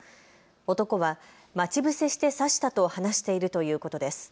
男は待ち伏せして刺したと話しているということです。